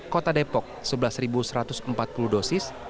kota depok sebelas satu ratus empat puluh dosis